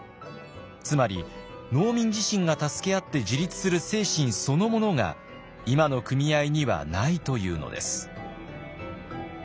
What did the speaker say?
つまり農民自身が助け合って自立する精神そのものが今の組合にはないというのです。